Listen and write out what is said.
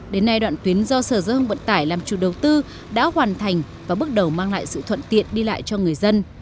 đến nay đoạn tuyến do sở giao thông vận tải làm chủ đầu tư đã hoàn thành và bước đầu mang lại sự thuận tiện đi lại cho người dân